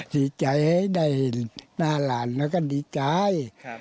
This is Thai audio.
ดีใจเดินแล้วก็ดีใจ